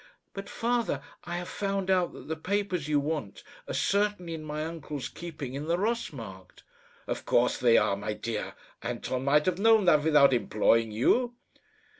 "But, father, I have found out that the papers you want are certainly in my uncle's keeping in the Ross Markt." "Of course they are, my dear. Anton might have known that without employing you."